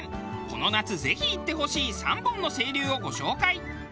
この夏ぜひ行ってほしい３本の清流をご紹介。